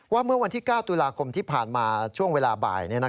เมื่อวันที่๙ตุลาคมที่ผ่านมาช่วงเวลาบ่าย